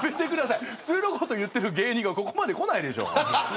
普通のこと言ってる芸人がここまでこないでしょ。